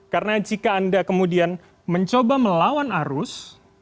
karena jika anda kemudian mencoba melawan arus